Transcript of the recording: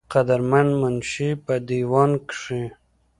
قدر مند منشي پۀ دېوان کښې